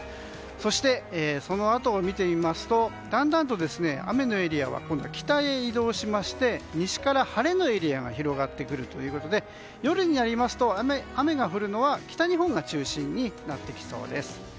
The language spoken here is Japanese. そして、そのあとを見てみますとだんだんと雨のエリアは今度は北へ移動しまして西から晴れのエリアが広がってくるということで夜になりますと雨が降るのは北日本が中心になってきそうです。